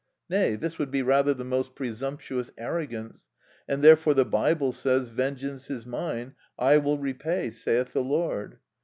Nay, this would rather be the most presumptuous arrogance; and therefore the Bible says, "Vengeance is mine; I will repay, saith the Lord."